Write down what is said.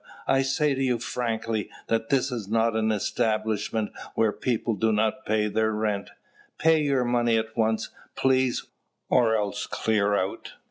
I say to you frankly, that this is not an establishment where people do not pay their rent. Pay your money at once, please, or else clear out."